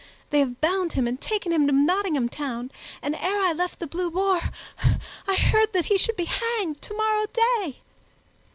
They have bound him and taken him to Nottingham Town, and ere I left the Blue Boar I heard that he should be hanged tomorrow day."